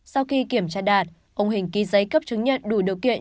sau khi kiểm tra đạt ông hình ký giấy cấp chứng nhận đủ điều kiện